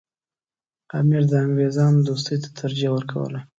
امیر د انګریزانو دوستۍ ته ترجیح ورکوله.